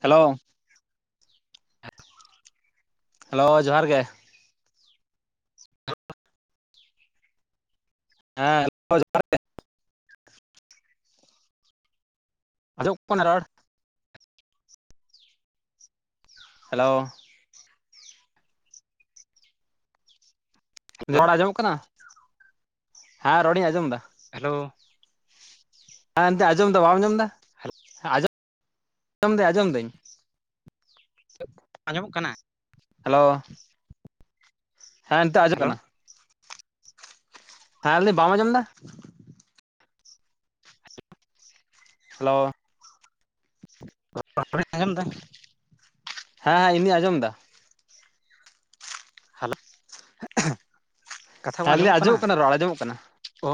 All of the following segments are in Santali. ᱦᱮᱞᱳ ᱦᱮᱞᱳ ᱡᱚᱦᱟᱨ ᱜᱮ, ᱦᱮᱸ ᱦᱮᱞᱳ ᱡᱚᱦᱟᱨ, ᱟᱡᱚᱢᱚᱜ ᱠᱟᱱᱟ ᱨᱚᱲ? ᱦᱮᱞᱳ, [inaudible] ᱦᱮᱞᱳ ᱨᱚᱲ ᱟᱸᱡᱚᱢᱚᱜ ᱠᱟᱱᱟ? ᱦᱮᱸ ᱨᱚᱲᱤᱧ ᱟᱸᱡᱚᱢ ᱫᱟ᱾ ᱦᱮᱞᱳᱣ, ᱦᱮᱸ ᱮᱱᱛᱜ ᱟᱸᱡᱚᱢ ᱫᱟ, ᱵᱟᱢ ᱟᱸᱡᱚᱢ ᱫᱟ ᱦᱮᱞᱳ ᱟᱸᱡᱚᱢ ᱟᱸᱡᱚᱢᱟᱹᱧ ᱟᱸᱡᱚᱢ ᱫᱟᱹᱧ᱾ ᱟᱸᱡᱚᱢᱚᱜ ᱠᱟᱱᱟ, ᱦᱮᱞᱳ ᱦᱮᱸ ᱱᱤᱛᱚᱜ ᱟᱡᱚᱢᱚᱜ ᱦᱮᱞᱳ ᱠᱟᱱᱟ᱾ ᱦᱮᱸ ᱞᱟᱹᱭ ᱫᱤᱧ ᱵᱟᱢ ᱟᱸᱡᱚᱢ ᱫᱟ? [inaudible] ᱦᱮᱞᱳ, [unintelligible] ᱟᱸᱡᱚᱢ ᱫᱟ ᱦᱮᱸ ᱦᱮᱸ ᱤᱧᱫᱚᱧ ᱟᱸᱡᱚᱢ ᱫᱟ, ᱦᱮᱞᱳ, ᱠᱟᱛᱷᱟ ᱵᱟᱝ ᱦᱮᱸ ᱞᱟᱹᱭ ᱟᱸᱡᱚᱢᱚᱜ ᱠᱟᱱᱟ ᱨᱚᱲ ᱟᱸᱡᱚᱢᱚᱜ ᱠᱟᱱᱟ ᱚᱻ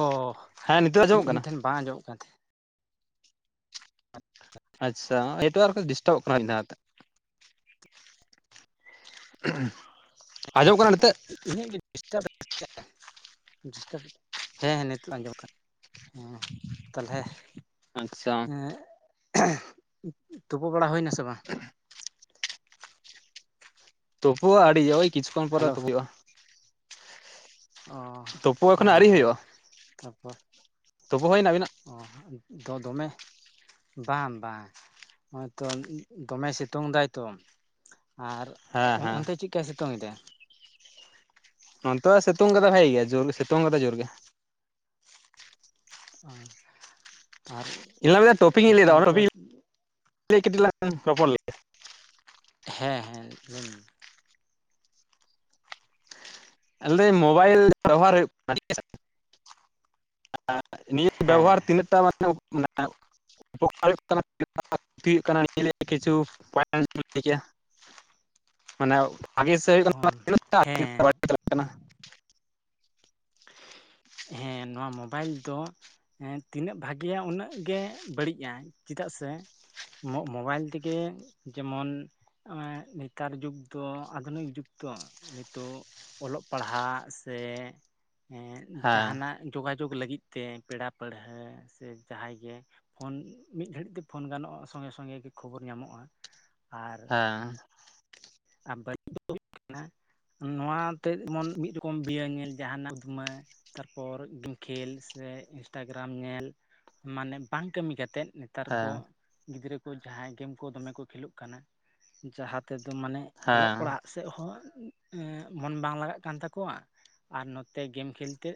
ᱦᱮᱸ ᱱᱤᱛᱚᱜ ᱟᱸᱡᱚᱢᱚᱜ ᱤᱧ ᱠᱟᱱᱟ ᱴᱷᱮᱱ ᱵᱟᱝ ᱟᱸᱡᱚᱢᱚᱜ ᱠᱟᱱ ᱛᱟᱦᱮ, ᱟᱪᱷᱟ ᱱᱮᱴᱣᱚᱟᱨᱠ ᱰᱤᱥᱴᱟᱵᱚᱜ ᱠᱟᱱᱟ ᱢᱤᱫ ᱫᱷᱟᱣᱛᱮ, ᱟᱸᱡᱚᱢ ᱠᱟᱱᱟ ᱱᱤᱛᱚᱜ? ᱤᱱᱟᱹᱜ ᱜᱮ ᱰᱤᱥᱴᱟᱯ ᱦᱮᱸ ᱛᱟᱦᱮ ᱦᱮᱸ ᱱᱤᱛᱚᱜ ᱟᱸᱡᱚᱢᱚᱜ ᱟᱠᱟᱱᱟ, ᱦᱮᱸ ᱛᱟᱞᱦᱮ ᱟᱪᱪᱷᱟ ᱮᱸ ᱛᱩᱯᱩ ᱵᱟᱲᱟ ᱦᱩᱭᱱᱟ ᱥᱮ ᱵᱟᱝ? ᱛᱩᱯᱩᱜᱼᱟ ᱟᱹᱰᱤ ᱳᱭᱤᱪᱷᱩ ᱠᱷᱚᱱ ᱯᱚᱨᱮ ᱦᱮᱞᱳ ᱛᱩᱯᱩ ᱦᱳᱭᱳᱜᱼᱟ, ᱚ ᱛᱩᱯᱩ ᱮᱠᱷᱚᱱ ᱦᱮᱸ ᱦᱮᱸ ᱛᱟᱯᱚᱨ, ᱛᱚᱯᱩ ᱦᱩᱭᱱᱟ ᱟᱹᱵᱤᱱᱟᱜ ᱚ ᱦᱟᱸᱜ ᱫᱚ ᱫᱚᱢᱮ ᱵᱟᱝ ᱵᱟᱝ ᱦᱚᱜ ᱚᱭᱛᱚ ᱫᱚᱢᱮ ᱥᱤᱛᱩᱝ ᱫᱟᱭ ᱛᱚ ᱟᱨ ᱦᱮᱸ ᱦᱮᱸ ᱚᱱᱛᱮ ᱪᱮᱫᱠᱟᱭ ᱥᱤᱛᱩᱝ ᱮᱫᱟ? ᱱᱚᱛᱮ ᱫᱚ ᱥᱤᱛᱩᱝ ᱠᱚᱫᱚ ᱵᱷᱟᱹᱜᱤ ᱜᱮ᱾ ᱡᱳᱨ ᱥᱤᱛᱩᱝ ᱠᱚᱫᱚ ᱡᱳᱨ ᱜᱮ ᱟᱨ ᱟᱨ [unintelligible] ᱴᱚᱯᱤᱠ ᱤᱧ ᱞᱟᱹᱭ ᱫᱟ ᱥᱤᱛᱩᱝ ᱚᱱᱟ ᱛᱮ ᱴᱚᱯᱤᱠ ᱤᱫᱤ ᱠᱟᱴᱤᱡ ᱞᱟᱝ ᱨᱚᱯᱚᱨ ᱞᱮᱱ ᱜᱮ ᱦᱮᱸ ᱦᱮᱸ ᱞᱟᱹᱭ ᱢᱮ ᱟᱞᱮ ᱢᱳᱵᱟᱭᱤᱞ ᱵᱮᱵᱚᱦᱟᱨ ᱦᱩᱭᱩᱜ ᱠᱟᱱᱟ ᱴᱷᱤᱠ ᱱᱤᱭᱟᱹ ᱦᱮᱸ ᱵᱮᱵᱚᱦᱟᱨ ᱛᱤᱱᱟᱹᱜ ᱴᱟ ᱢᱟᱱᱮ ᱢᱮ [unintelligible] ᱢᱟᱱᱮ ᱵᱷᱟᱜᱤ ᱥᱮᱫ ᱦᱩᱭᱩᱜ ᱠᱟᱱᱟ ᱛᱤᱱᱟᱹᱜ ᱴᱟ ᱦᱮᱸ [unintelligible] ᱦᱮᱸ ᱱᱚᱣᱟ ᱢᱳᱵᱟᱭᱤᱞ ᱫᱚ ᱦᱮᱸ ᱛᱤᱱᱟᱹᱜ ᱵᱷᱟᱜᱤᱭᱟ ᱩᱱᱟᱹᱜ ᱜᱮ ᱵᱟᱹᱲᱤᱡᱼᱟ ᱪᱮᱫᱟᱜ ᱥᱮ ᱢᱳᱚᱵᱟᱭᱤᱞ ᱛᱮᱜᱮ ᱡᱮᱢᱚᱱ ᱱᱮᱛᱟᱨ ᱡᱩᱜᱽ ᱫᱚ ᱟᱫᱷᱩᱱᱤᱠ ᱡᱩᱜᱽ ᱫᱚ ᱱᱤᱛᱚᱜ ᱚᱞᱚᱜ ᱯᱟᱲᱦᱟᱜ ᱥᱮ ᱦᱮᱸ ᱡᱟᱦᱟᱱᱟᱜ ᱡᱳᱜᱟᱡᱳᱜᱽ ᱞᱟᱹᱜᱤᱫ ᱛᱮ ᱯᱮᱲᱟ ᱯᱟᱹᱲᱦᱟᱹ ᱥᱮ ᱡᱟᱦᱟᱸᱭ ᱜᱮ ᱯᱷᱳᱱ ᱢᱤᱫ ᱜᱷᱟᱹᱲᱤᱡ ᱛᱮ ᱯᱷᱳᱱ ᱜᱟᱱᱚᱜᱼᱟ ᱥᱚᱸᱜᱮ ᱥᱚᱸᱜᱮ ᱜᱮ ᱠᱷᱚᱵᱚᱨ ᱧᱟᱢᱚᱜᱼᱟ᱾ ᱟᱨ ᱦᱮᱸ ᱟᱨ ᱵᱟᱹᱲᱤᱡ ᱦᱩᱭᱩᱜ ᱠᱟᱱᱟ ᱱᱚᱣᱟᱛᱮ ᱡᱮᱢᱚᱱ ᱢᱤᱫ ᱨᱚᱠᱚᱢ [unintelligible] ᱧᱮᱞ ᱡᱟᱦᱟᱱᱟᱜ ᱩᱫᱷᱢᱟᱹ ᱛᱟᱨᱯᱚᱨ ᱜᱮᱢ ᱠᱷᱮᱞ ᱥᱮ ᱤᱱᱥᱴᱟᱜᱨᱟᱢ ᱧᱮᱞ ᱢᱟᱱᱮ ᱵᱟᱝ ᱠᱟᱹᱢᱤ ᱠᱟ ᱠᱟᱛᱮᱫ ᱱᱮᱛᱟᱨ ᱦᱮᱸ ᱠᱚ ᱜᱤᱫᱽᱨᱟᱹ ᱠᱚ ᱡᱟᱦᱟᱸᱭ ᱜᱮᱢ ᱠᱚ ᱫᱚᱢᱮ ᱠᱚ ᱠᱷᱮᱞᱳᱜ ᱠᱟᱱᱟ᱾ ᱡᱟᱦᱟᱸ ᱛᱮᱫᱚ ᱛᱚ ᱢᱟᱱᱮ ᱚᱞᱚᱜ ᱦᱮᱸ ᱯᱟᱲᱦᱟᱜ ᱥᱮᱫ ᱦᱚᱸ ᱢᱚᱱ ᱵᱟᱝ ᱞᱟᱜᱟᱜ ᱠᱟᱱ ᱛᱟᱠᱚᱣᱟ ᱟᱨ ᱱᱚᱛᱮ ᱜᱮᱢ ᱠᱷᱮᱞ ᱛᱮ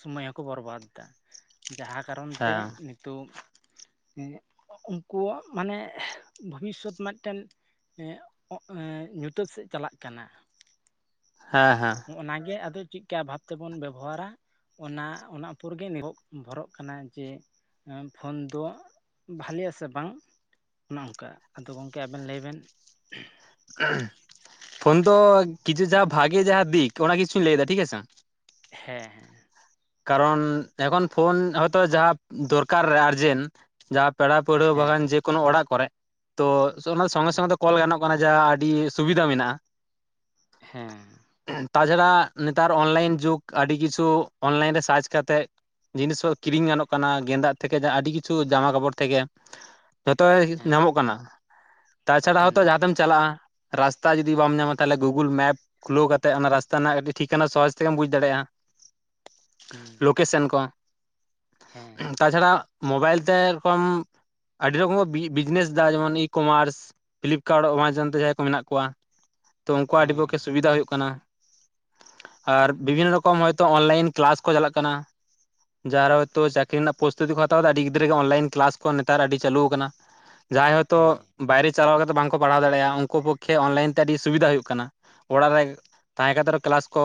ᱥᱚᱢᱚᱭ ᱦᱚᱸᱠᱚ ᱵᱚᱨᱵᱟᱫ ᱫᱟ᱾ ᱡᱟᱦᱟᱸ ᱠᱟᱨᱚᱱ ᱛᱮ ᱦᱮᱸ ᱱᱤᱛᱚᱜ ᱩᱱᱠᱩᱣᱟᱜ ᱢᱟᱱᱮ ᱵᱷᱚᱵᱤᱥᱚᱛ ᱢᱤᱫᱴᱮᱱ ᱧᱩᱛᱟᱹᱛ ᱥᱮᱫ ᱪᱟᱞᱟᱜ ᱠᱟᱱᱟ᱾ ᱦᱮᱸ ᱦᱮᱸ ᱚᱱᱟᱜᱮ ᱟᱫᱚ ᱪᱮᱫᱮ ᱵᱷᱟᱵ ᱛᱮᱵᱚᱱ ᱵᱮᱵᱚᱦᱟᱨᱟ ᱚᱱᱟ ᱚᱱᱟ ᱩᱯᱚᱨ ᱜᱮ ᱱᱩᱵᱷᱚᱨᱚᱜ ᱠᱟᱱᱟ ᱡᱮ ᱯᱷᱳᱱ ᱫᱚ ᱵᱷᱟᱞᱮᱜ ᱟᱥᱮ ᱵᱟᱝ? ᱚᱱᱮ ᱚᱱᱠᱟ ᱟᱫᱚ ᱜᱚᱢᱠᱮ ᱟᱵᱮᱱ ᱞᱟᱹᱭ ᱵᱮᱱ ᱯᱷᱳᱱ ᱫᱚ ᱠᱤᱪᱷᱩ ᱡᱟᱦᱟᱸ ᱵᱷᱟᱜᱮ ᱡᱟᱦᱟᱸ ᱫᱤᱠ ᱚᱱᱟ ᱠᱤᱪᱷᱩᱞᱟᱹᱭᱮᱫᱟ ᱴᱷᱤᱠ ᱟᱪᱷᱮ ᱦᱮᱸ ᱦᱮᱸ ᱠᱟᱨᱚᱱ ᱮᱠᱷᱚᱱ ᱯᱷᱳᱱ ᱦᱚᱭᱛᱳ ᱡᱟᱦᱟᱸ ᱫᱚᱨᱠᱟᱨ ᱨᱮ ᱟᱨᱡᱮᱱᱴ ᱡᱟᱦᱟᱸ ᱯᱮᱲᱟ ᱯᱟᱹᱲᱦᱟᱹ ᱦᱮᱸ ᱵᱟᱠᱷᱟᱱ ᱡᱮ ᱠᱳᱱᱳ ᱚᱲᱟᱜ ᱠᱚᱨᱮ ᱛᱚ ᱚᱱᱟ ᱥᱚᱸᱜᱮ ᱥᱚᱸᱜᱮ ᱛᱮ ᱠᱚᱞ ᱜᱟᱱᱚᱜ ᱠᱟᱱᱟ ᱾ᱡᱟᱦᱟᱸ ᱟᱹᱰᱤ ᱥᱩᱵᱤᱫᱟ ᱢᱮᱱᱟᱜᱼᱟ᱾ ᱦᱮᱸ ᱛᱟᱪᱷᱟᱲᱟ ᱱᱮᱛᱟᱨ ᱚᱱᱞᱟᱭᱤᱱ ᱡᱩᱜᱽ, ᱟᱹᱰᱤ ᱠᱤᱪᱷᱩ ᱚᱱᱞᱟᱭᱤᱱ ᱨᱮ ᱥᱟᱨᱪ ᱠᱟᱛᱮᱫ ᱡᱤᱱᱤᱥ ᱦᱚ ᱠᱤᱨᱤᱧ ᱜᱟᱱᱚᱜ ᱠᱟᱱᱟ ᱜᱮᱫᱟᱜ ᱛᱷᱮᱠᱮ ᱟᱹᱰᱤ ᱠᱤᱪᱷᱩ ᱡᱟᱢᱟ ᱠᱟᱯᱚᱲ ᱛᱷᱮᱠᱮ ᱡᱚᱛᱚ ᱦᱮᱸ ᱧᱟᱢᱚᱜ ᱠᱟᱱᱟ᱾ ᱛᱟᱪᱷᱟᱲᱟ ᱦᱚᱛᱚ ᱦᱮᱸ ᱡᱟᱦᱟ ᱛᱮᱢ ᱪᱟᱞᱟᱜ-ᱟ᱾ ᱨᱟᱥᱛᱟ ᱡᱩᱫᱤ ᱵᱟᱢ ᱧᱟᱢᱟ ᱛᱟᱦᱚᱞᱮ ᱜᱩᱜᱩᱞ ᱢᱮᱯ ᱠᱷᱩᱞᱟᱹᱣ ᱠᱟᱛᱮᱜ ᱚᱱᱟ ᱨᱟᱥᱛᱟ ᱨᱮᱱᱟᱜ ᱠᱟᱹᱴᱤᱡ ᱴᱷᱤᱠᱟᱱᱟ ᱥᱚᱦᱚᱡ ᱛᱮᱜᱮᱢ ᱵᱩᱡᱽ ᱫᱟᱲᱮᱭᱟᱜ-ᱟ᱾ ᱦᱩᱸ ᱞᱳᱠᱮᱥᱮᱱ ᱠᱚ, ᱦᱮᱸ ᱛᱟᱪᱷᱟᱲᱟ ᱢᱳᱵᱟᱭᱤᱞ ᱛᱮ ᱨᱚᱠᱚᱢ ᱟᱹᱰᱤ ᱨᱚᱠᱚᱢ ᱠᱚ ᱵᱤᱡᱽᱱᱮᱥ ᱫᱟ ᱡᱮᱢᱚᱱ ᱤ-ᱠᱚᱢᱟᱨᱥ ᱯᱷᱞᱤᱯᱠᱟᱨᱴ ᱮᱢᱟᱡᱚᱱ ᱛᱮ ᱡᱟᱦᱟᱸᱭ ᱠᱚ ᱢᱮᱱᱟᱜ ᱠᱚᱣᱟ᱾ ᱛᱚ ᱩᱱᱠᱩᱣᱟᱜ ᱟᱹᱰᱤ ᱯᱚᱠᱠᱷᱮ ᱦᱮᱸ ᱥᱩᱵᱤᱫᱟ ᱦᱩᱭᱩᱜ ᱠᱟᱱᱟ ᱟᱨ ᱵᱤᱵᱷᱤᱱᱱᱚ ᱨᱚᱠᱚᱢ ᱦᱚᱭᱛᱳ ᱚᱱᱞᱟᱭᱤᱱ ᱠᱮᱞᱟᱥ ᱠᱚ ᱪᱟᱞᱟᱜ ᱠᱟᱱᱟ᱾ ᱡᱟᱦᱟᱨᱮ ᱦᱳᱭᱛᱳ ᱪᱟᱹᱠᱨᱤ ᱨᱮᱱᱟᱜ ᱯᱚᱨᱚᱥᱛᱩᱛᱤ ᱠᱚ ᱦᱟᱛᱟᱣᱫᱟ ᱟᱹᱰᱤ ᱜᱤᱫᱽᱨᱟᱹ ᱜᱮ ᱚᱱᱞᱟᱭᱤᱱ ᱠᱮᱞᱟᱥ ᱠᱚ ᱱᱮᱛᱟᱨ ᱟᱹᱰᱤ ᱪᱟᱹᱞᱩ ᱟᱠᱟᱱᱟ᱾ [inaudible] ᱡᱟᱦᱟᱸᱟᱭ ᱦᱚᱳᱭᱛᱚ ᱦᱮᱸ ᱵᱟᱭᱨᱮᱤᱥ ᱪᱟᱞᱟᱣ ᱠᱟᱛᱮᱮᱫ ᱵᱟᱝᱠᱚ ᱯᱟᱲᱦᱟᱣ ᱫᱟᱲᱮᱭᱟᱜᱼᱟ ᱩᱱᱠᱩ ᱯᱚᱠᱠᱷᱮ ᱚᱱᱞᱟᱭᱤᱱ ᱛᱮ ᱟᱹᱰᱤ ᱥᱩᱵᱤᱫᱷᱟ ᱦᱩᱭᱩᱜ ᱠᱟᱱᱟ ᱚᱲᱟᱜ ᱨᱮ ᱛᱟᱦᱮ ᱠᱟᱛᱮ ᱠᱮᱞᱟᱥ ᱠᱚ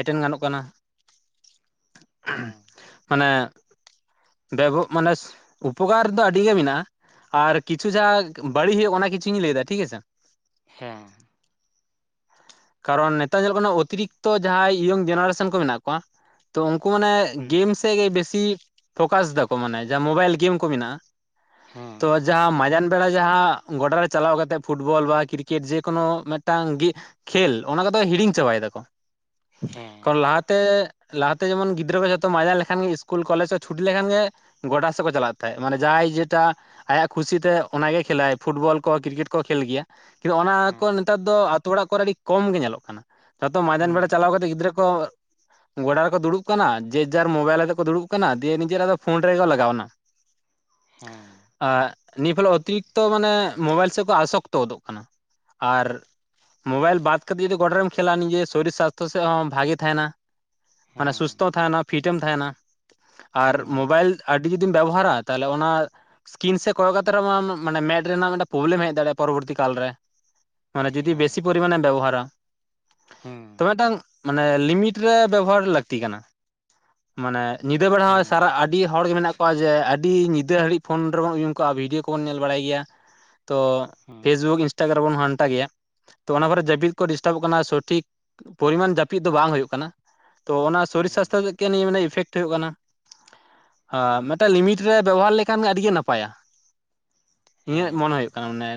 ᱮᱴᱮᱱ ᱜᱟᱱᱚᱜ ᱠᱟᱱᱟ ᱦᱮᱸ ᱢᱟᱱᱮ ᱵᱮᱵ ᱢᱟᱱᱮ ᱩᱯᱚᱠᱟᱨ ᱫᱚ ᱟᱹᱰᱤ ᱜᱮ ᱢᱮᱱᱟᱜ-ᱟ ᱟᱨ ᱠᱤᱪᱷᱩ ᱡᱟ ᱵᱟᱹᱲᱤᱡᱳᱜ ᱚᱱᱟ ᱠᱤᱪᱷᱩᱧ ᱞᱟᱹᱭ ᱫᱟ ᱴᱷᱤᱠ ᱟᱪᱷᱮ ᱦᱮ ᱠᱟᱨᱚᱱ ᱱᱮᱛᱟᱨ ᱧᱮᱞᱚᱜ ᱠᱟᱱᱟ ᱚᱛᱤᱨᱤᱠᱛᱚ ᱡᱟᱦᱟᱸᱭ ᱤᱭᱚᱝ ᱡᱮᱱᱟᱨᱮᱥᱚᱱ ᱠᱚ ᱢᱮᱱᱟᱜ ᱠᱚᱣᱟ ᱛᱚ ᱩᱱᱠᱩ ᱢᱟᱱᱮ ᱦᱩᱸ ᱜᱮᱢᱥ ᱛᱮᱜᱮ ᱵᱮᱥᱤ ᱯᱷᱳᱠᱟᱥ ᱮᱫᱟᱠᱚ ᱢᱟᱱᱮ ᱡᱟᱦᱟᱸ ᱢᱳᱵᱟᱭᱤᱞ ᱜᱮᱢ ᱠᱚ ᱢᱮᱱᱟᱜ-ᱟ ᱦᱮᱸ ᱛᱚ ᱡᱟᱦᱟᱸ ᱢᱟᱡᱟᱱ ᱵᱮᱲᱟ ᱡᱟᱦᱟᱸ ᱜᱚᱰᱟ ᱨᱮ ᱪᱟᱞᱟᱣ ᱠᱟᱛᱮᱫ ᱯᱷᱩᱴᱵᱚᱞ ᱵᱟ ᱠᱨᱤᱠᱮᱴ ᱡᱮᱠᱳᱱᱳ ᱢᱤᱫᱴᱟᱝ ᱠᱷᱮᱞ ᱚᱱᱟ ᱠᱚᱫᱚ ᱦᱤᱲᱤᱧ ᱪᱟᱵᱟᱭ ᱫᱟᱠᱚ ᱦᱮ ᱞᱟᱦᱟᱛᱮ ᱞᱟᱦᱟᱛᱮ ᱡᱮᱢᱚᱱ ᱜᱤᱫᱽᱨᱟᱹ ᱠᱚ ᱡᱚᱛᱚ ᱢᱟᱭᱡᱟ ᱞᱮᱠᱷᱟᱱ ᱜᱮ ᱤᱥᱠᱩᱞ ᱠᱚᱞᱮᱡᱽ ᱠᱚ ᱪᱷᱩᱴᱤ ᱞᱮᱠᱷᱟᱱ ᱜᱮ ᱜᱚᱰᱟ ᱥᱮᱫ ᱠᱚ ᱪᱟᱞᱟᱜ ᱛᱟᱦᱮᱸᱜ ᱢᱟᱱᱮ ᱡᱟᱦᱟᱸᱭ ᱡᱮᱴᱟ ᱟᱭᱟᱜ ᱠᱷᱩᱥᱤᱛᱮ ᱚᱱᱟᱜᱮ ᱠᱷᱮᱞ ᱟᱭ ᱯᱷᱩᱴᱵᱚᱞ ᱠᱚ ᱠᱨᱤᱠᱮᱴ ᱠᱚ ᱠᱷᱮᱞ ᱜᱮᱭᱟ ᱠᱤᱱᱛᱩ ᱚᱱᱟ ᱠᱚ ᱦᱮᱸ ᱱᱮᱛᱟᱨ ᱫᱚ ᱟᱛᱳ ᱚᱲᱟᱜ ᱠᱚᱨᱮ ᱟᱹᱰᱤ ᱠᱚᱢ ᱜᱮ ᱧᱮᱞᱚᱜ ᱠᱟᱱᱟ ᱡᱚᱛᱚ ᱢᱟᱭᱫᱟᱱ ᱵᱮᱲᱟ ᱦᱩᱸ ᱪᱟᱞᱟᱣ ᱠᱟᱛᱮ ᱜᱤᱫᱽᱨᱟᱹ ᱠᱚ ᱜᱚᱰᱟ ᱨᱮᱠᱚ ᱫᱩᱲᱩᱵ ᱠᱟᱱᱟ ᱡᱮᱨ ᱡᱟᱨ ᱢᱳᱵᱟᱭᱤᱞ ᱟᱛᱮ ᱠᱚ ᱫᱩᱲᱩᱵ ᱠᱟᱱᱟ ᱫᱤᱭᱮ ᱱᱤᱡᱮᱨᱟᱜ ᱫᱚ ᱯᱷᱳᱱ ᱨᱮᱜᱮ ᱞᱟᱜᱟᱣ ᱮᱱᱟ ᱦᱮ ᱟᱨ ᱱᱤᱭᱟᱹ ᱯᱷᱚᱞᱮ ᱚᱛᱤᱨᱤᱠᱛᱚ ᱢᱟᱱᱮ ᱢᱳᱵᱟᱭᱤᱞ ᱥᱮᱫ ᱠᱚ ᱟᱥᱚᱠᱛᱚ ᱜᱚᱫᱚᱜ ᱠᱟᱱᱟ ᱟᱨ ᱢᱳᱵᱟᱭᱤᱞ ᱵᱟᱫ ᱠᱟᱛᱮᱫ ᱡᱩᱫᱤ ᱜᱚᱰᱟ ᱨᱮᱢ ᱠᱷᱮᱞᱟ ᱱᱤᱡᱮ ᱥᱚᱨᱤᱨ ᱥᱟᱥᱛᱷᱚ ᱥᱮᱫ ᱦᱚᱸ ᱵᱷᱟᱜᱮ ᱛᱟᱦᱮᱱᱟ ᱢᱟᱱᱮ ᱦᱮᱸ ᱥᱩᱥᱛᱷᱚ ᱛᱟᱦᱮᱱᱟ ᱯᱷᱤᱴ ᱮᱢ ᱛᱟᱦᱮᱱᱟ ᱟᱨ ᱢᱳᱵᱟᱭᱤᱞ ᱟᱹᱰᱤ ᱡᱩᱫᱤᱢ ᱵᱮᱵᱚᱦᱟᱨᱟ ᱛᱟᱦᱚᱞᱮ ᱚᱱᱟ ᱥᱠᱤᱱ ᱥᱮ ᱠᱚᱭᱚᱜ ᱠᱟᱛᱮ ᱢᱟᱱ ᱢᱮᱫ ᱨᱮᱱᱟᱜ ᱢᱤᱫᱴ ᱯᱨᱚᱵᱞᱮᱢ ᱦᱮᱡ ᱫᱟᱲᱮᱭᱟᱜ-ᱟ ᱯᱚᱨᱚᱵᱚᱨᱛᱤ ᱠᱟᱞᱨᱮ ᱢᱟᱱᱮ ᱡᱩᱫᱤ ᱵᱮᱥᱤ ᱯᱚᱨᱤᱢᱟᱱᱮᱢ ᱵᱮᱵᱚᱦᱟᱨᱟ ᱦᱮ ᱛᱚ ᱢᱤᱫᱴᱟᱝ ᱞᱤᱢᱤᱴ ᱨᱮ ᱵᱮᱵᱚᱦᱟᱨ ᱞᱟᱹᱠᱛᱤ ᱠᱟᱱᱟ ᱢᱟᱱᱮ ᱧᱤᱫᱟᱹ ᱵᱮᱲᱟ ᱦᱚ ᱦᱮᱸ ᱥᱟᱨᱟ ᱦᱮᱸ ᱟᱹᱰᱤ ᱦᱚᱲᱜᱮ ᱢᱮᱱᱟᱜ ᱠᱚᱣᱟ ᱡᱮ ᱟᱹᱰᱤ ᱧᱤᱫᱟᱹ ᱜᱟᱹᱲᱤᱡ ᱯᱷᱳᱱ ᱨᱮᱵᱚᱱ ᱩᱭᱩᱢ ᱠᱚᱟᱜ-ᱟ ᱵᱷᱤᱰᱭᱳ ᱠᱚᱵᱚᱱ ᱧᱮᱞ ᱵᱟᱲᱟᱭ ᱜᱮᱭᱟ ᱛᱚ ᱦᱮᱸ ᱯᱷᱮᱥᱵᱩᱠ ᱤᱱᱥᱴᱟᱜᱨᱟᱢ ᱵᱚᱱ ᱜᱟᱱᱴᱟ ᱜᱮᱭᱟ ᱛᱚ ᱚᱱᱟ ᱠᱚᱨᱮ ᱡᱟᱹᱯᱤᱫ ᱠᱚ ᱰᱤᱥᱴᱟᱵᱚᱜ ᱠᱟᱱᱟ ᱥᱚᱴᱷᱤᱠ ᱯᱚᱨᱤᱢᱟᱱ ᱡᱟᱹᱯᱤᱫ ᱫᱚ ᱵᱟᱝ ᱦᱩᱭᱩᱜ ᱠᱟᱱᱟ ᱛᱚ ᱚᱱᱟ ᱥᱚᱨᱤᱨ ᱦᱮᱸ ᱥᱟᱥᱛᱷᱚ ᱥᱮᱫ ᱜᱮ ᱱᱤᱭᱟᱹ ᱟᱱᱮ ᱤᱯᱷᱮᱠᱴ ᱦᱩᱭᱩᱜ ᱠᱟᱱᱟ ᱦᱮᱸ ᱢᱤᱫᱴᱮᱱ ᱞᱤᱢᱤᱴ ᱨᱮ ᱵᱮᱵᱚᱦᱟᱨ ᱞᱮᱠᱷᱟᱱ ᱜᱮ ᱟᱹᱰᱤ ᱜᱮ ᱱᱟᱯᱟᱭᱟ ᱤᱧᱟᱹᱜ ᱦᱮᱸ ᱢᱚᱱᱮ ᱦᱩᱭᱩᱜ ᱢᱟᱱᱮ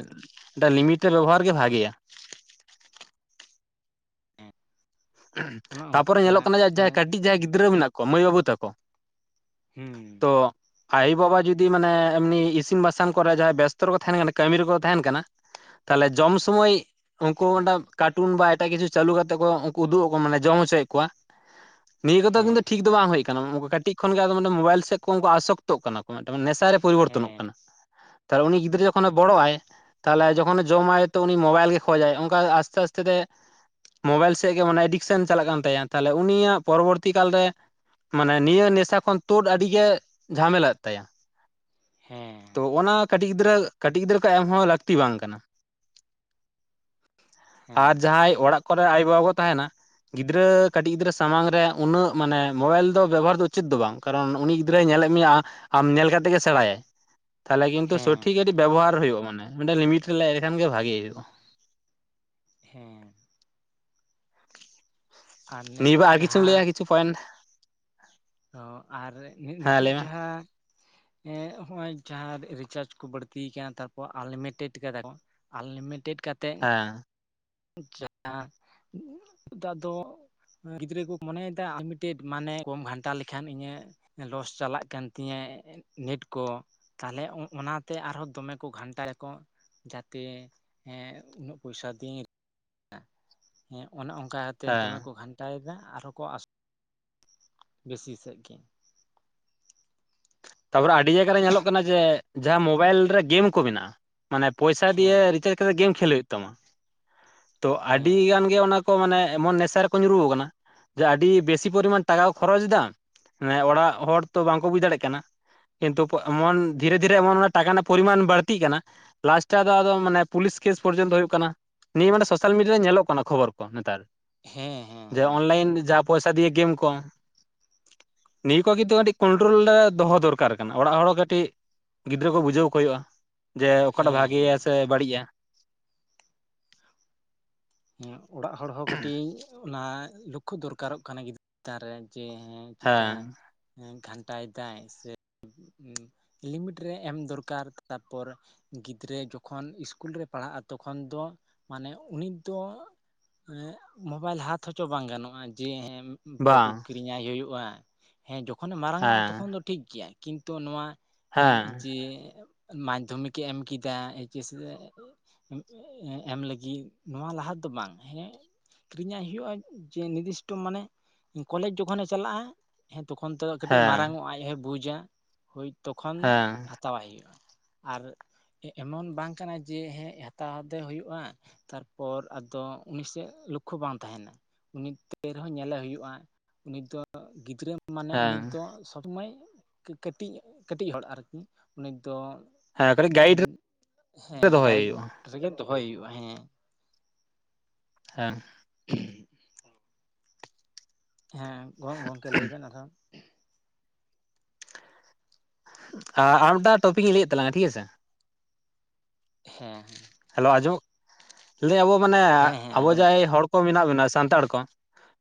ᱢᱤᱫᱴᱟ ᱞᱤᱢᱤᱴ ᱨᱮ ᱵᱮᱵᱚᱦᱟᱨ ᱜᱮ ᱵᱷᱟᱜᱮᱭᱟ ᱦᱮᱸ ᱚᱱᱮ ᱛᱟᱯᱚᱨᱮ ᱚᱱᱠᱟ ᱧᱮᱞᱚᱜ ᱠᱟᱱᱟ ᱡᱮ ᱚᱱᱮ ᱡᱟᱦᱟᱸᱭ ᱠᱟᱹᱴᱤᱡ ᱡᱟᱦᱟᱸᱭ ᱜᱤᱫᱽᱨᱟᱹ ᱢᱮᱱᱟᱜ ᱠᱚᱣᱟ ᱢᱟᱹᱭ ᱵᱟᱹᱵᱩ ᱛᱟᱠᱚ ᱦᱩᱸ ᱛᱚ ᱟᱭᱳ ᱵᱟᱵᱟ ᱡᱩᱫᱤ ᱢᱟᱱᱮ ᱮᱢᱱᱤ ᱤᱥᱤᱱ ᱵᱟᱥᱟᱝ ᱠᱚᱨᱮ ᱡᱟᱦᱟᱸᱭ ᱵᱮᱥᱛᱚ ᱨᱮᱠᱚ ᱛᱟᱦᱮᱱ ᱠᱟᱱᱟ ᱠᱟᱹᱢᱤ ᱨᱮᱠᱚ ᱛᱟᱦᱮᱱ ᱠᱟᱱᱟ ᱛᱟᱦᱞᱮ ᱡᱚᱢ ᱥᱩᱢᱚᱭ ᱩᱱᱠᱩ ᱠᱟᱨᱴᱩᱱ ᱵᱟ ᱮᱴᱟᱜ ᱠᱤᱪᱷᱩ ᱪᱟᱹᱞᱩ ᱠᱟᱛᱮᱫ ᱠᱚ ᱩᱱ ᱩᱫᱩᱜ ᱟᱠᱚ ᱢᱟᱱᱮ ᱡᱚᱢ ᱦᱚᱪᱚᱭᱮᱫ ᱠᱚᱣᱟ ᱱᱤᱭᱟᱹ ᱠᱚᱫᱚ ᱠᱤᱱᱛᱩ ᱦᱮᱸ ᱴᱷᱤᱠ ᱫᱚ ᱵᱟᱝ ᱦᱳᱭ ᱠᱟᱱᱟ ᱠᱟᱹᱴᱤᱡ ᱠᱷᱚᱱ ᱜᱮ ᱟᱫᱚ ᱢᱟᱱᱮ ᱢᱳᱵᱟᱭᱤᱞ ᱥᱮᱫ ᱠᱚ ᱩᱱᱠᱩ ᱟᱥᱚᱠᱛᱚᱜ ᱠᱟᱱᱟ ᱢᱮᱫᱴᱟᱝ ᱱᱮᱥᱟᱨᱮ ᱯᱚᱨᱤᱵᱚᱨᱛᱚᱱᱚᱜ ᱦᱮᱸ ᱠᱟᱱᱟ ᱛᱟᱨ ᱩᱱᱤ ᱜᱤᱫᱽᱨᱟᱹ ᱡᱚᱠᱷᱚᱱᱮ ᱵᱚᱲᱚᱜ ᱟᱭ ᱛᱟᱦᱚᱞᱮ ᱡᱚᱠᱷᱚᱱᱮ ᱡᱚᱢᱟᱭ ᱛᱚ ᱩᱱᱤ ᱢᱳᱵᱟᱭᱤᱞ ᱜᱮ ᱠᱷᱚᱡᱟᱭ ᱚᱝᱠᱟ ᱟᱥᱛᱮ ᱟᱥᱛᱮ ᱛᱮ ᱢᱳᱵᱟᱭᱤᱞ ᱥᱮᱜ ᱜᱮ ᱢᱟᱱᱮ ᱮᱰᱤᱠᱥᱮᱱ ᱪᱟᱞᱟᱜ ᱠᱟᱱ ᱛᱟᱭᱟ ᱛᱟᱞᱦᱮ ᱩᱱᱤᱭᱟᱜ ᱯᱚᱨᱚᱵᱚᱨᱛᱤ ᱠᱟᱞ ᱨᱮ ᱢᱟᱱᱮ ᱱᱤᱭᱟᱹ ᱱᱮᱥᱟ ᱠᱷᱚᱱ ᱛᱩᱫ ᱟᱹᱰᱤ ᱜᱮ ᱡᱷᱟᱢᱮᱞᱟᱟᱜ ᱛᱟᱭᱟ ᱦᱮᱸ ᱛᱚ ᱚᱱᱟ ᱠᱟᱹᱴᱤᱡ ᱜᱤᱫᱽᱨᱟᱹ ᱠᱟᱹᱴᱤᱡ ᱜᱤᱫᱽᱨᱟᱹ ᱠᱚ ᱮᱢᱦᱚᱸ ᱞᱟᱹᱠᱛᱤ ᱵᱟᱝ ᱠᱟᱱᱟ ᱟᱨ ᱦᱮᱸ ᱡᱟᱦᱟᱸᱭ ᱚᱲᱟᱜ ᱠᱚᱨᱮᱜ ᱟᱭᱳ ᱵᱟᱵᱟ ᱠᱚ ᱛᱟᱦᱮᱱᱟ ᱜᱤᱫᱽᱨᱟᱹ ᱠᱟᱴᱤᱡ ᱜᱤᱫᱽᱨᱟᱹ ᱥᱟᱢᱟᱝ ᱨᱮ ᱩᱱᱟᱹᱜ ᱢᱟᱱᱮ ᱢᱳᱵᱟᱭᱤᱞ ᱫᱚ ᱵᱮᱵᱚᱦᱟᱨ ᱫᱚ ᱩᱪᱤᱛ ᱫᱚ ᱵᱟᱝ ᱠᱟᱨᱚᱱ ᱩᱱᱤ ᱜᱤᱫᱽᱨᱟᱹᱭ ᱧᱮᱞᱮᱜ ᱢᱮᱭᱟ ᱟᱢ ᱧᱮᱞ ᱠᱟᱛᱮᱜ ᱜᱮ ᱥᱮᱬᱟᱭᱟᱭ ᱛᱟᱦᱞᱮ ᱠᱤᱱᱛᱩ ᱦᱮᱸ ᱥᱚᱴᱷᱤᱠ ᱟᱹᱰᱤ ᱵᱮᱵᱚᱦᱟᱨ ᱦᱩᱭᱩᱜ-ᱟ ᱢᱟᱱᱮ ᱢᱤᱫᱴᱟᱝ ᱞᱤᱢᱤᱴ ᱨᱮ ᱦᱮᱡ ᱞᱮᱠᱷᱟᱱ ᱜᱮ ᱵᱷᱟᱜᱮ ᱦᱩᱭᱩᱜ-ᱟ ᱦᱮᱸ ᱟᱨ ᱱᱤᱭᱟᱹ ᱵᱟᱨ ᱱᱤᱛᱚᱜ ᱟᱨ ᱠᱤᱪᱷᱩᱢ ᱡᱟᱦᱟᱸ ᱞᱟᱹᱭᱟ ᱠᱤᱪᱷᱩ ᱯᱚᱭᱮᱱᱴ ᱚ ᱟᱨ ᱦᱮᱸ ᱱᱤᱛᱚᱜ ᱞᱟᱹᱭ ᱢᱮ ᱡᱟᱦᱟᱸ ᱮᱸ ᱦᱚᱸᱜᱼᱚᱭ ᱡᱟᱦᱟᱸ ᱨᱤᱪᱟᱨᱡ ᱠᱚ ᱵᱟᱹᱲᱛᱤ ᱠᱟᱱᱟ ᱛᱟᱨᱯᱚᱨ ᱟᱱᱞᱤᱢᱤᱴᱮᱰ ᱠᱟᱫᱟ ᱠᱚ ᱟᱱᱞᱤᱢᱤᱴᱮᱵ ᱠᱟᱛᱮᱜ ᱟᱸ [inaudible] ᱫᱟᱜ ᱫᱚ ᱜᱤᱫᱽᱨᱟᱹ ᱠᱚ ᱢᱚᱱᱮᱭᱮᱫᱟ ᱟᱞᱤᱢᱤᱴᱮᱰ ᱢᱟᱱᱮ ᱠᱚᱢ ᱜᱷᱟᱱᱴᱟ ᱞᱮᱠᱷᱟᱱ ᱤᱧᱟᱹᱜ ᱞᱚᱥ ᱪᱟᱞᱟᱜ ᱠᱟᱱ ᱛᱤᱧᱟᱹ ᱱᱮᱴ ᱠᱚ ᱛᱟᱦᱚᱞᱮ ᱚᱸ ᱚᱱᱟᱛᱮ ᱟᱨᱦᱚᱸ ᱫᱚᱢᱮ ᱠᱚ ᱜᱷᱟᱱᱴᱟᱭᱟᱠᱚ ᱡᱟᱛᱮ ᱩᱱᱟᱹᱜ ᱯᱚᱭᱥᱟ ᱫᱤᱭᱮᱧ ᱦᱮᱸ ᱚᱱᱮ ᱚᱱᱠᱟ ᱠᱟᱛᱮᱫ ᱫᱚᱢᱮ ᱦᱮᱸ ᱠᱚ ᱜᱷᱟᱱ ᱴᱟᱭᱮᱫᱟ ᱟᱨᱦᱚᱸ ᱠᱚ [inaudible] ᱵᱮᱥᱤ ᱥᱮᱜ ᱜᱮ ᱛᱟᱯᱚᱨᱮ ᱟᱹᱰᱤ ᱡᱟᱭᱜᱟ ᱨᱮ ᱧᱮᱞᱚᱜ ᱠᱟᱱᱟ ᱡᱮ ᱡᱟᱦᱟᱸ ᱢᱳᱵᱟᱭᱤᱞ ᱨᱮ ᱜᱮᱢ ᱠᱚ ᱢᱮᱱᱟᱜᱼᱟ ᱢᱟᱱᱮ ᱯᱚᱭᱥᱟ ᱫᱤᱭᱮ ᱦᱮᱸ ᱨᱤᱪᱟᱪ ᱠᱟᱛᱮᱜ ᱜᱮᱢ ᱠᱷᱮᱞ ᱦᱩᱭᱩᱜ ᱛᱟᱢᱟ ᱛᱚ ᱟᱹᱰᱤ ᱦᱮᱸ ᱜᱟᱱ ᱜᱮ ᱚᱱᱟ ᱢᱟᱱᱮ ᱮᱢᱚᱱ ᱱᱮᱥᱟ ᱨᱮᱠᱚ ᱧᱩᱨᱩᱣ ᱠᱟᱱᱟ ᱡᱮ ᱟᱹᱰᱤ ᱵᱮᱥᱤ ᱯᱚᱨᱤᱢᱟᱱ ᱴᱟᱠᱟ ᱠᱚ ᱠᱷᱚᱨᱚᱪ ᱫᱟ ᱦᱮᱸ ᱚᱲᱟᱜ ᱦᱚᱲ ᱛᱚ ᱵᱟᱝᱠᱚ ᱵᱩᱡ ᱫᱟᱲᱮᱜ ᱠᱟᱱᱟ ᱠᱤᱱᱛᱩ ᱮᱢᱚᱱ ᱫᱷᱤᱨᱮ ᱫᱷᱤᱨᱮ ᱮᱢᱚᱱ ᱚᱱᱟ ᱴᱟᱠᱟ ᱨᱮᱱᱟᱜ ᱯᱚᱨᱤᱢᱟᱱ ᱵᱟᱹᱲᱛᱤᱜ ᱠᱟᱱᱟ ᱞᱟᱥᱴᱟ ᱟᱫᱚ ᱢᱟᱱᱮ ᱯᱩᱞᱤᱥ ᱠᱮᱥ ᱯᱚᱨᱡᱚᱱᱛᱚ ᱦᱳᱭᱳᱜ ᱠᱟᱱᱟ ᱱᱤᱭᱟᱹ ᱢᱟᱱᱮ ᱥᱳᱥᱟᱞ ᱢᱤᱰᱤᱭᱟ ᱨᱮ ᱧᱮᱞᱚᱜ ᱠᱟᱱᱟ ᱠᱷᱚᱵᱚᱨ ᱠᱚ ᱱᱮᱛᱟᱨ ᱦᱮᱸ ᱦᱮᱸ ᱡᱟ ᱦᱮᱸ ᱚᱱᱞᱟᱭᱤᱱ ᱡᱟ ᱯᱚᱭᱥᱟ ᱯᱚᱭᱥᱟ ᱫᱤᱭᱮ ᱜᱮᱢ ᱠᱚ ᱱᱤᱭᱟᱹ ᱠᱚᱜᱤ ᱛᱚ ᱠᱟᱹᱴᱤᱡ ᱠᱚᱱᱴᱨᱳᱞ ᱨᱮ ᱫᱚᱦᱚ ᱫᱚᱨᱠᱟᱨ ᱫᱚᱠᱟᱨ ᱠᱟᱱᱟ ᱚᱲᱟᱜ ᱦᱚᱲ ᱠᱟᱹᱴᱤᱡ ᱜᱤᱫᱽᱨᱟᱹ ᱠᱚ ᱵᱩᱡᱷᱟᱹᱣ ᱠᱚ ᱦᱳᱭᱳᱜᱼᱟ ᱡᱮ ᱚᱠᱟᱴᱟᱜ ᱦᱮᱸ ᱵᱷᱟᱜᱮᱭᱟ ᱦᱮᱸ ᱥᱮ ᱵᱟᱹᱲᱤᱡᱼᱟ ᱦᱮᱸ ᱚᱲᱟᱜ ᱦᱚᱲ ᱦᱚᱸ ᱠᱟᱹᱴᱤᱡ ᱚᱱᱟ ᱞᱚᱠᱠᱷᱚ ᱫᱚᱨᱠᱟᱨᱚᱜ ᱠᱟᱱᱟ ᱜᱤᱫᱽᱨᱟᱹ ᱪᱮᱛᱟᱱ ᱨᱮ ᱡᱮ ᱦᱮᱸ ᱪᱮᱜᱠᱟ ᱜᱷᱟᱱᱴᱟᱭᱮᱫᱟᱭ ᱥᱮ ᱩᱸ ᱞᱤᱢᱤᱴ ᱨᱮ ᱮᱢ ᱫᱚᱨᱠᱟᱨ ᱛᱟᱨᱯᱚᱨ ᱜᱤᱫᱽᱨᱟᱹ ᱡᱚᱠᱷᱚᱱ ᱥᱤᱥᱠᱩᱞ ᱨᱮ ᱯᱟᱲᱦᱟᱜᱼᱟ ᱛᱚᱠᱷᱚᱱ ᱫᱚ ᱢᱟᱱᱮ ᱩᱱᱤ ᱛᱚ ᱮ ᱢᱳᱵᱟᱭᱤᱞ ᱦᱟᱛ ᱦᱚᱪᱚ ᱵᱟᱝ ᱜᱟᱱᱚᱜᱼᱟ ᱡᱮ ᱦᱮᱸ ᱵᱟᱹᱵᱩ ᱵᱟᱝ ᱠᱤ ᱠᱤᱨᱤᱧᱟᱭ ᱦᱩᱭᱩᱜᱼᱟ ᱦᱮᱸ ᱡᱚᱠᱷᱚᱱᱮ ᱢᱟᱨᱟᱝ ᱚᱜᱼᱟ ᱦᱮᱸ ᱛᱚᱠᱷᱚᱱ ᱫᱚ ᱴᱷᱤᱠ ᱜᱮᱭᱟ ᱠᱤᱱᱛᱩ ᱱᱚᱣᱟ ᱮᱸ ᱦᱮᱸ ᱡᱮ ᱢᱟᱡᱽᱫᱷᱚᱢᱤᱠᱮ ᱮᱢ ᱠᱤᱫᱟ ᱮᱭᱤᱪᱮᱥᱮ ᱮᱢ ᱞᱟᱹᱜᱤᱫ ᱱᱚᱣᱟ ᱞᱟᱦᱟ ᱫᱚ ᱵᱟᱝ ᱦᱮᱸ ᱠᱤᱨᱤᱧᱟᱭ ᱦᱩᱭᱩᱜᱼᱟ ᱡᱮ ᱱᱤᱨᱫᱤᱥᱴᱚ ᱢᱟᱱᱮ ᱠᱚᱞᱮᱡᱽ ᱡᱚᱠᱷᱚᱱᱮ ᱪᱟᱞᱟᱜᱼᱟ ᱦᱮᱸ ᱛᱚᱠᱷᱚᱱ ᱛᱮᱫᱚ ᱠᱟᱹᱴᱤᱡ ᱦᱮᱸ ᱢᱟᱨᱟᱝ ᱚᱭᱟᱭ ᱟᱡ ᱦᱚᱸᱭ ᱵᱩᱡᱟ ᱦᱳᱭ ᱛᱚᱠᱷᱚᱱ ᱦᱮᱸ ᱦᱟᱛᱟᱣᱟᱭ ᱦᱩᱭᱩᱜᱼᱟ ᱟᱨ ᱮ ᱮᱢᱚᱱ ᱵᱟᱝ ᱠᱟᱱᱟ ᱡᱮ ᱦᱮᱸ ᱦᱟᱛᱟᱣ ᱛᱮ ᱦᱳᱭᱳᱜᱼᱟ ᱛᱟᱨ ᱯᱚᱨ ᱟᱫᱚ ᱩᱱᱤ ᱥᱮᱜ ᱞᱚᱠᱠᱷᱚ ᱵᱟᱝ ᱛᱟᱦᱮᱱᱟ ᱩᱱᱤ ᱛᱟᱹᱭ ᱨᱮᱦᱚᱸ ᱧᱮᱞᱮ ᱦᱩᱭᱩᱜᱼᱟ ᱩᱱᱤ ᱫᱚ ᱜᱤᱫᱽᱨᱟᱹ ᱢᱟᱱᱮ ᱩᱱᱤ ᱦᱮᱸ ᱫᱚ ᱥᱚᱢᱚᱭ ᱠᱟᱹᱴᱤᱡ ᱠᱟᱹᱴᱤᱡ ᱦᱚᱲ ᱟᱨᱠᱤ ᱩᱱᱤ ᱫᱚ ᱦᱮᱸ ᱠᱟᱹᱴᱤᱡ ᱩᱸ ᱜᱟᱭᱤᱰ ᱨᱮ ᱦᱮᱸ ᱫᱚᱦᱚᱭ ᱜᱟᱭᱤᱰ ᱦᱩᱭᱩᱜᱼᱟ ᱨᱮᱜᱮ ᱫᱚᱦᱚᱭ ᱦᱩᱭᱩᱜᱼᱟ ᱦᱮᱸ ᱦᱮᱸ [unintelligible] ᱦᱮᱸ ᱜᱚᱝ ᱜᱚᱝᱠᱮ ᱞᱟᱹᱭ ᱵᱮᱱ ᱟᱨᱦᱚᱸ ᱟ ᱟᱨ ᱴᱚᱯᱤᱠᱤᱧ ᱞᱟᱹᱭᱮᱫ ᱛᱟᱞᱟᱝᱟ ᱴᱷᱤᱠ ᱟᱪᱷᱮ ᱦᱮᱸ ᱦᱮᱸ ᱦᱮᱞᱳ ᱟᱸᱚᱢᱚᱜ ᱞᱟᱹᱭ ᱟᱵᱚ ᱢᱟᱱᱮ ᱦᱮᱸ ᱦᱮᱸ ᱟᱵᱚ ᱟᱸᱡᱚᱢᱚᱜ ᱡᱟᱭ ᱠᱟᱱᱟ ᱦᱚᱲ ᱢᱮᱱᱟᱜ ᱵᱚᱱᱟ ᱥᱟᱱᱛᱟᱲ ᱠᱚ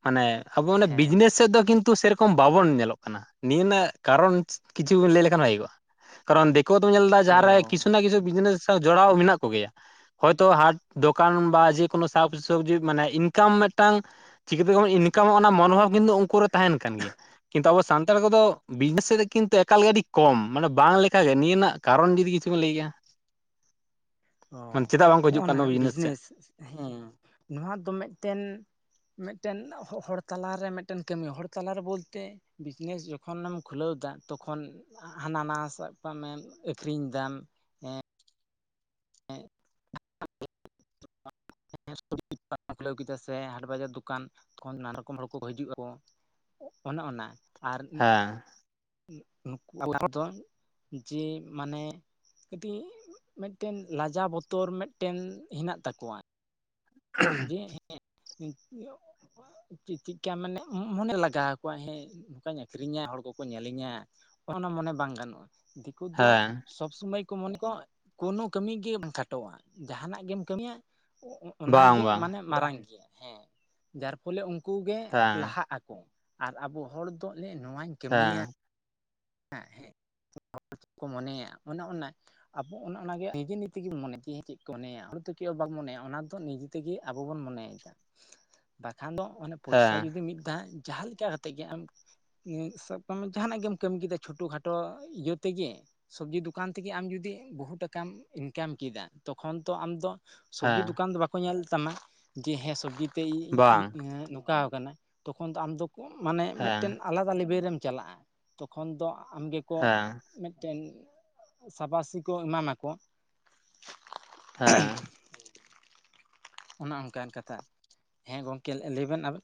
ᱢᱟᱱᱮ ᱟᱵᱚ ᱚᱱᱮ ᱦᱮᱸ ᱵᱤᱡᱽᱱᱮᱥ ᱥᱮᱫ ᱫᱚ ᱠᱤᱱᱛᱩ ᱥᱮᱨᱚᱠᱚᱢ ᱠᱚᱢ ᱵᱟᱵᱚᱱ ᱧᱮᱞᱚᱜ ᱠᱟᱱᱟ ᱱᱤᱭᱟᱹ ᱱᱟᱜ ᱠᱟᱨᱚᱱ ᱠᱤᱪᱷᱩ ᱞᱟᱹᱭ ᱞᱮᱠᱷᱟᱱᱼᱟ ᱠᱷᱟᱜᱮ ᱠᱚᱜᱼᱟ ᱠᱟᱨᱚᱱ ᱠᱚ ᱫᱚᱢ ᱧᱮᱞ ᱫᱟ ᱚ ᱡᱟᱦᱟᱸᱨᱮ ᱠᱤᱥᱩ ᱱᱟ ᱠᱤᱥᱩ ᱵᱤᱡᱽᱱᱮᱥ ᱡᱚᱲᱟᱣ ᱢᱮᱱᱟᱜ ᱠᱚᱮᱭᱟ ᱦᱚᱭᱛᱳ ᱦᱟᱴ ᱫᱚᱠᱟᱱ ᱵᱟ ᱡᱮᱠᱳᱱᱳ ᱥᱟᱠ ᱥᱚᱵᱽᱡᱤ ᱢᱟᱱᱮ ᱤᱱᱠᱟᱢ ᱢᱤᱫᱴᱟᱝ ᱪᱤᱠᱟᱹᱛᱮ ᱵᱚᱱ ᱤᱱᱠᱟᱢᱟ ᱚᱱᱟ ᱢᱚᱱᱳᱵᱷᱟᱵᱽ ᱠᱤᱱᱛᱩ ᱩᱱᱠᱩ ᱨᱮ ᱛᱟᱦᱮᱱ ᱠᱟᱱ ᱜᱮᱭᱟ ᱠᱤᱱᱛᱩ ᱟᱵᱚ ᱥᱟᱱᱛᱟᱲ ᱠᱚᱫᱚ ᱵᱤᱡᱽᱱᱮᱥ ᱥᱮᱫ ᱫᱚ ᱠᱤᱱᱛᱩ ᱮᱠᱟᱞ ᱜᱮ ᱟᱹᱰᱤ ᱠᱚᱢ ᱢᱟᱱᱮ ᱵᱟᱝ ᱞᱮᱠᱟᱜᱮ ᱱᱤᱭᱟᱹ ᱨᱮᱱᱟᱜ ᱠᱟᱨᱚᱱ ᱡᱩᱫᱤ ᱤᱪᱷᱩᱵᱮᱱ ᱞᱟᱹᱭ ᱠᱮᱭᱟ? ᱚ ᱢᱟᱱᱮ ᱪᱮᱫᱟᱜ ᱵᱟᱝᱠᱚ ᱦᱤᱡᱩᱜ ᱠᱟᱱ ᱦᱚᱸᱜᱼᱱᱟ ᱛᱟᱵᱚ ᱥᱮᱫ ᱵᱤᱡᱽᱱᱮᱥ ᱦᱮᱸ ᱱᱚᱣᱟ ᱫᱚ ᱢᱤᱫᱴᱮᱱ ᱢᱤᱫᱴᱮᱱ ᱦᱚᱼᱦᱚᱲ ᱛᱟᱞᱟᱨᱮ ᱢᱤᱫᱴᱮᱱ ᱠᱟᱹᱢᱤ ᱦᱚᱲ ᱛᱟᱞᱟᱨᱮ ᱵᱚᱞᱛᱮ ᱵᱤᱡᱽᱱᱮᱥ ᱡᱚᱠᱷᱚᱱᱮᱢ ᱠᱷᱩᱞᱟᱹᱣ ᱫᱟ ᱛᱚᱠᱷᱚᱱ ᱦᱟᱱᱟ ᱱᱟ ᱥᱟᱵ ᱠᱟᱜ ᱢᱮ ᱟᱹᱠᱷᱨᱤᱧ ᱫᱟᱢ ᱦᱮᱸ [unintelligible] [unintelligible] [unintelligible] [unintelligible] ᱠᱷᱩᱞᱟᱹᱣ ᱠᱮᱫᱟ ᱥᱮ ᱦᱟᱴ ᱵᱟᱡᱟᱨ ᱫᱚᱠᱟᱱ ᱠᱷᱚᱱ ᱱᱟᱱᱟ ᱨᱚᱠᱚᱢ ᱦᱚᱲ ᱠᱚᱠᱚ ᱦᱤᱡᱩᱜᱼᱟᱠᱚ ᱚᱱᱮ ᱚᱱᱟ ᱟᱨ ᱦᱮᱸ ᱱᱩᱠᱩ ᱠᱚ ᱫᱚ ᱡᱮ ᱢᱟᱱᱮ ᱠᱟᱹᱴᱤᱡ ᱢᱮᱫᱴᱮᱱ ᱞᱟᱡᱟᱣ ᱵᱚᱛᱚᱨ ᱢᱮᱫᱴᱮᱱ ᱦᱮᱱᱟᱜ ᱛᱟᱠᱚᱣᱟ ᱡᱮ ᱦᱮᱸ [unintelligible] ᱪᱮᱜ ᱪᱮᱫᱠᱟ ᱢᱟᱱᱮ ᱢᱚᱱᱮ ᱞᱟᱜᱟᱣ ᱟᱠᱚᱣᱟ ᱦᱮᱸ ᱱᱚᱝᱠᱟᱧ ᱟᱹᱠᱷᱨᱤᱧᱟ ᱦᱚᱲ ᱠᱚᱠᱚ ᱧᱮᱞᱤᱧᱟ ᱦᱚᱸᱜ ᱱᱟ ᱢᱚᱱᱮ ᱵᱟᱝ ᱜᱟᱱᱚᱜᱼᱟ ᱫᱤᱠᱩ ᱫᱚ ᱦᱮᱸ ᱥᱚᱵ ᱥᱚᱢᱚᱭ ᱠᱩ ᱢᱚᱱᱮ ᱠᱚ ᱠᱳᱱᱳ ᱠᱟᱹᱢᱤ ᱜᱮ ᱵᱟᱝ ᱠᱷᱟᱴᱚᱣᱟ ᱡᱟᱦᱟᱱᱟᱜ ᱜᱮᱢ ᱠᱟᱹᱢᱤᱭᱟ ᱚᱸᱼᱚᱜ ᱵᱟᱝ ᱚᱱᱟᱜᱮ ᱵᱟᱝ ᱢᱟᱱᱮ ᱢᱟᱨᱟᱝ ᱜᱮᱭᱟ ᱦᱮᱸ ᱡᱟᱨ ᱯᱷᱚᱞᱮ ᱩᱱᱠᱩ ᱜᱮ ᱦᱮᱸ ᱞᱟᱦᱟᱜ ᱟᱠᱚ᱾ ᱟᱨ ᱟᱵᱚ ᱦᱚᱲ ᱞᱮᱜ ᱱᱚᱣᱟᱧ ᱠᱟᱹᱢᱤᱭᱟ ᱦᱮᱸ [unintelligible] ᱠᱚ ᱢᱚᱱᱮᱭᱟ ᱚᱱᱮ ᱚᱱᱟ ᱟᱵᱚ ᱚᱱ ᱚᱱᱟᱜᱮ ᱱᱤᱡᱮ ᱱᱤᱡ ᱛᱮᱜᱮᱢ ᱢᱚᱱᱮᱭᱟ ᱡᱮ ᱪᱮᱫ ᱠᱚ ᱢᱚᱱᱮᱭᱟ ᱦᱚᱲ ᱫᱚ ᱪᱮᱫ ᱦᱚᱸ ᱵᱟᱠᱚ ᱢᱚᱱᱮᱭᱟ ᱚᱱᱟ ᱫᱚ ᱱᱤᱡᱮ ᱛᱮᱜᱮ ᱟᱵᱚ ᱵᱚᱱ ᱢᱚᱱᱮᱭᱟ ᱵᱟᱠᱷᱟᱱ ᱫᱚ ᱚᱱᱮ ᱯᱚᱭᱥᱟ ᱦᱮᱸ ᱡᱩᱫᱤ ᱢᱤᱫ ᱫᱷᱟᱣ ᱡᱟᱦᱟᱸ ᱞᱮᱠᱟ ᱠᱟᱛᱮᱜ ᱜᱮ ᱟᱢ ᱥᱟᱵ ᱠᱟᱜ ᱢᱮ ᱡᱟᱦᱟᱱᱟᱜ ᱜᱮᱢ ᱠᱟᱹᱢᱤ ᱠᱮᱫᱟ ᱪᱷᱳᱴᱳ ᱠᱷᱟᱴᱚ ᱤᱭᱟᱹ ᱛᱮᱜᱮ ᱥᱚᱵᱽᱡᱤ ᱫᱚᱠᱟᱱ ᱛᱮᱜᱮ ᱟᱢ ᱡᱩᱫᱤ ᱵᱚᱦᱩ ᱴᱟᱠᱟᱢ ᱤᱱᱠᱟᱢ ᱠᱮᱫᱟ ᱛᱚᱠᱷᱚᱱ ᱛᱚ ᱟᱢᱫᱚ ᱥᱚᱵᱽᱡᱤ ᱦᱮᱸ ᱫᱚᱠᱟᱱ ᱫᱚ ᱵᱟᱠᱚ ᱧᱮᱞ ᱛᱟᱢᱟ ᱡᱮ ᱦᱮᱸ ᱥᱚᱵᱽᱡᱤ ᱛᱮ ᱤᱼᱤᱜᱼᱤᱜ ᱵᱟᱝ ᱱᱚᱝᱠᱟᱣ ᱠᱟᱱᱟᱭ ᱛᱚᱠᱷᱚᱱ ᱫᱚ ᱟᱢ ᱫᱚ ᱢᱟᱱᱮ ᱦᱮᱸ ᱢᱮᱫᱴᱮᱱ ᱟᱞᱟᱫᱟ ᱞᱮᱵᱮᱞ ᱨᱮᱢ ᱪᱟᱞᱟᱜᱼᱟ ᱛᱚᱠᱷᱚᱱ ᱫᱚ ᱟᱢᱜᱮ ᱠᱚ ᱦᱮᱸ ᱢᱮᱫᱴᱮᱱ ᱥᱟᱵᱟᱥᱤ ᱠᱚ ᱮᱢᱟᱢ ᱟᱠᱚ᱾ ᱦᱮᱸ ᱚᱱᱟ ᱚᱱᱠᱟᱱ ᱠᱟᱛᱷᱟ ᱦᱮᱸ ᱜᱚᱢᱠᱮ ᱞᱟᱹᱼᱞᱟᱹᱭᱵᱮᱱ ᱟᱵᱮᱱ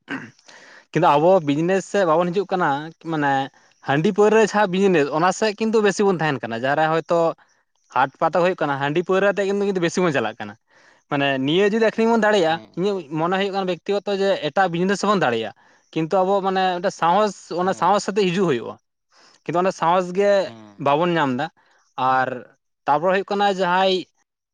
[inaudible] ᱠᱤᱱᱛᱩ ᱟᱵᱚ ᱵᱤᱡᱽᱱᱮᱥ ᱥᱮᱫ ᱵᱟᱵᱚᱱ ᱦᱤᱡᱩᱜ ᱠᱟᱱᱟ ᱢᱟᱱᱮ ᱦᱟᱺᱰᱤ ᱯᱟᱹᱣᱨᱟᱹ ᱡᱟᱦᱟᱸ ᱵᱤᱡᱽᱱᱮᱥ ᱚᱱᱟ ᱥᱮᱜ ᱠᱤᱱᱛᱩ ᱵᱮᱥᱤ ᱵᱚᱱ ᱛᱟᱦᱮᱸᱱ ᱠᱟᱱᱟ ᱡᱟᱦᱟᱸᱨᱮ ᱦᱚᱭᱛᱳ ᱦᱟᱴ ᱯᱟᱛᱟ ᱦᱳᱭᱳᱜ ᱠᱟᱱᱟ ᱦᱟᱺᱰᱤ ᱯᱟᱹᱣᱨᱟᱹ ᱟᱛᱮᱜ ᱠᱤᱱᱛᱩ ᱵᱮᱥᱤ ᱵᱚᱱ ᱪᱟᱞᱟᱜ ᱠᱟᱱᱟ ᱢᱟᱱᱮ ᱱᱤᱭᱟᱹ ᱡᱩᱫᱤ ᱟᱠᱷᱠᱷᱨᱤᱧ ᱵᱚᱱ ᱫᱟᱲᱮᱭᱟᱜᱼᱟ ᱦᱮᱸ ᱤᱧᱟᱹᱜ ᱢᱚᱱᱮ ᱦᱩᱭᱩᱜ ᱠᱟᱱᱟ ᱵᱮᱠᱛᱤ ᱜᱚᱛᱚ ᱡᱮ ᱮᱴᱟᱜ ᱵᱤᱡᱽᱱᱮᱥ ᱦᱚᱸᱵᱚᱱ ᱫᱟᱲᱮᱭᱟᱜᱼᱟ ᱠᱤᱱᱛᱩ ᱟᱵᱚ ᱢᱟᱱᱮ ᱢᱤᱫᱴᱟᱝ ᱥᱟᱸᱦᱚᱥ ᱚᱱᱟ ᱦᱮᱸ ᱥᱟᱸᱦᱚᱥ ᱟᱛᱮᱜ ᱦᱤᱡᱩᱜ ᱦᱩᱭᱩᱜᱼᱟ ᱠᱤᱱᱛᱩ ᱚᱱᱟ ᱥᱟᱸᱦᱚᱥ ᱜᱮ ᱦᱮᱸ ᱵᱟᱵᱚᱱ ᱧᱟᱢ ᱫᱟ ᱟᱨ ᱛᱟᱯᱚᱨᱮ ᱦᱩᱭᱩᱜ ᱠᱟᱱᱟ ᱡᱟᱦᱟᱸᱭ